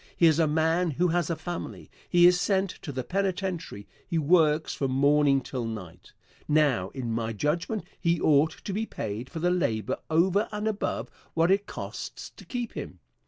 Here is a man who has a family. He is sent to the penitentiary. He works from morning till night. Now, in my judgment, he ought to be paid for the labor over and above what it costs to keep him.